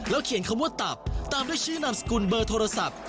เขียนคำว่าตับตามด้วยชื่อนามสกุลเบอร์โทรศัพท์